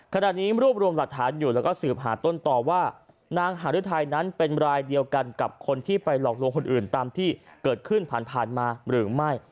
ขณะนี้รวบรวมหลักฐานอยู่แล้วก็สืบหาต้นต่อว่านางหารุทัยนั้นเป็นรายเดียวกันกับคนที่ไปหลอกลวงคนอื่นตามที่เกิดขึ้นผ่านผ่านมาหรือไม่